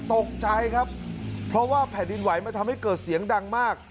ตกใจครับเพราะว่าแผ่นดินไหวมันทำให้เกิดเสียงดังมาก